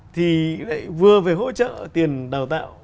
thì lại vừa phải hỗ trợ tiền đào tạo